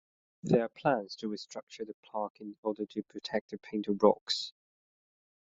There are plans to restructure the park in order to protect the painted rocks.